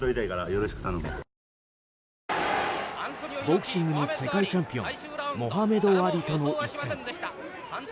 ボクシングの世界チャンピオンモハメド・アリとの一戦。